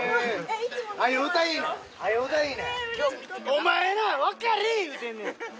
お前な分かれ言うてんねん。